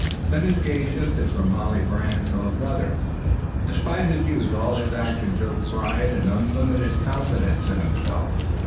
Then his gaze shifted from Molly Brant to her brother. Despite his youth all his actions showed pride and unlimited confidence in himself.